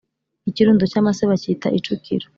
Ikirundo cy’amase bacyita icukiro